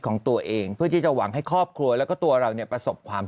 ของตัวเองเพื่อที่จะหวังให้ครอบครัวแล้วก็ตัวเราเนี่ยประสบความ